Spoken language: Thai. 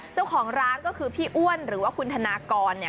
เจ้าของร้านก็คือพี่อ้วนหรือว่าคุณธนากร